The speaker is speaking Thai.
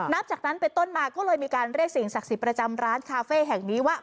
นับจากนั้นไปต้นมาก็เลยมีการเรียกสิ่งศักดิ์สิทธิ์ประจำร้านคาเฟ่แห่งนี้ว่า